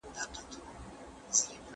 د النمل سورت په {طس} شروع سوی دی.